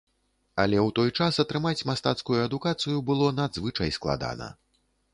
Але ў той час атрымаць мастацкую адукацыю было надзвычай складана.